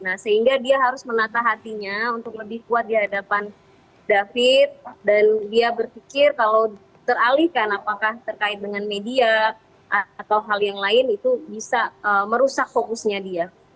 nah sehingga dia harus menatah hatinya untuk lebih kuat di hadapan david dan dia berpikir kalau teralihkan apakah terkait dengan media atau hal yang lain itu bisa merusak fokusnya dia